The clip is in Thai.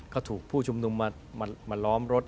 ก็ถูกผู้ชุมนุมมาล้อมรถ